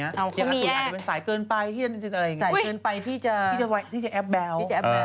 อย่างอาจจะเป็นสายเกินไปที่จะแอฟแบว